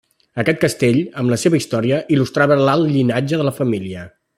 Aquest castell, amb la seva història, il·lustrava l'alt llinatge de la família.